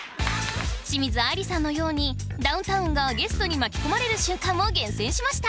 清水あいりさんのようにダウンタウンがゲストに巻き込まれる瞬間も厳選しました！